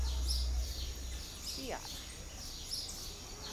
Cl.